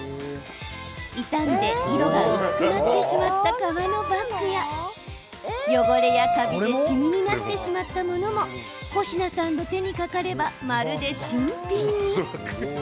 傷んで色が薄くなってしまった革のバッグや汚れやカビでしみになってしまったものも保科さんの手にかかればまるで新品に。